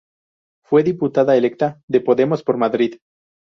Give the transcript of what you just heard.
Fue diputada electa de Podemos por Madrid.